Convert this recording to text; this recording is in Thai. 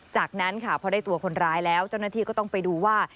จากนั้นค่ะพอได้ตัวคนร้ายแล้วเจ้าหน้าที่ก็ต้องไปดูว่า